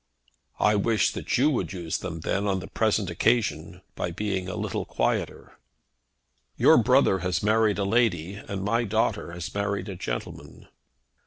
"I wish that you would use them then on the present occasion by being a little quieter." "Your brother has married a lady, and my daughter has married a gentleman."